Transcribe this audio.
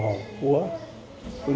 đồng hồ của